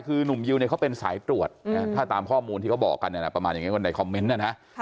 คือหนุ่มยิวเนี่ยเขาเป็นสายตรวจถ้าตามข้อมูลที่เขาบอกกันประมาณอย่างนี้ว่าในคอมเมนต์นะนะ